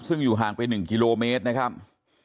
ซึ่งอยู่ห่างไป๑กิโลเมตรนะครับ